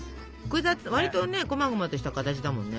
わりとねこまごまとした形だもんね。